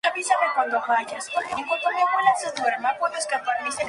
Ya que se les hacía difícil interpretar a sus personajes con amnesia.